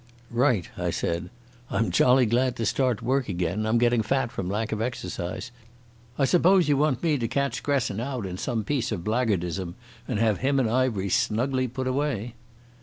"Right," I said. "I'm jolly glad I'm to start work again. I'm getting fat from lack of exercise. I suppose you want me to catch Gresson out in some piece of blackguardism and have him and Ivery snugly put away."